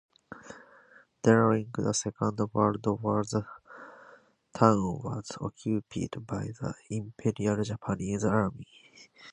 During the Second World War the town was occupied by the Imperial Japanese Army.